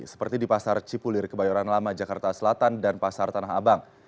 seperti di pasar cipulir kebayoran lama jakarta selatan dan pasar tanah abang